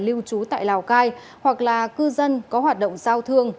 lưu trú tại lào cai hoặc là cư dân có hoạt động giao thương